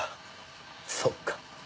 そっか